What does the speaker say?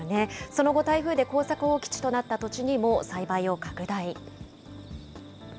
その後、台風で耕作放棄地となった土地にも栽培を拡大。